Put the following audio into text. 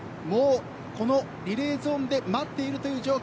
このリレーゾーンで待っているという状況。